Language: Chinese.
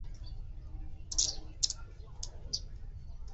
杜拉基什为该区的首府。